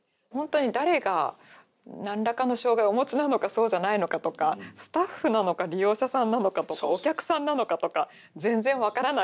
本当に誰が何らかの障害をお持ちなのかそうじゃないのかとかスタッフなのか利用者さんなのかとかお客さんなのかとか全然分からない。